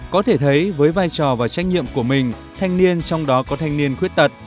có thể thấy với vai trò và trách nhiệm của mình thanh niên trong đó có thanh niên khuyết tật